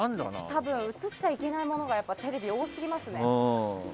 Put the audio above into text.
多分映っちゃいけないものがテレビ、多すぎますね。